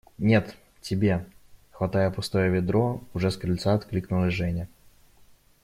– Нет, тебе! – хватая пустое ведро, уже с крыльца откликнулась Женя.